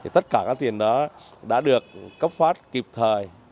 tất cả các tiền đó đã được cấp phát kịp thời